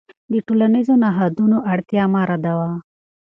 د ټولنیزو نهادونو اړتیا مه ردوه.